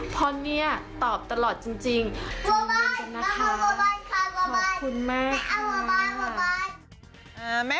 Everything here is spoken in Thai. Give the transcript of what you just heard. เพราะเนี้ยตอบตลอดจริงจริงจังหวังจังนะค่ะ